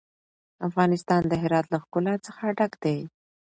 افغانستان د هرات له ښکلا څخه ډک دی.